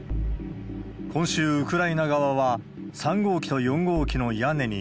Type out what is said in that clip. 今週、ウクライナ側は３号機と４号機の屋根に、